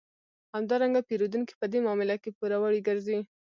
همدارنګه پېرودونکی په دې معامله کې پوروړی ګرځي